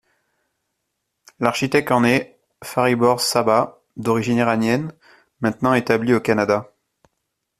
L’architecte en est Fariborz Sahba, d’origine iranienne, maintenant établi au Canada.